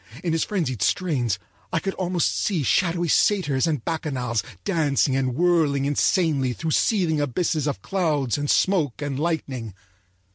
In his frenzied strains I could almost see shadowy satyrs and bacchanals dancing and whirling insanely through seething abysses of clouds and smoke and lightning.